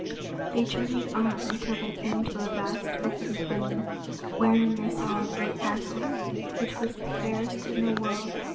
They journeyed on till they came to a vast open plain, wherein they saw a great castle, which was the fairest in the world.